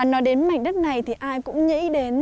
nói đến mảnh đất này thì ai cũng nhớ ý đến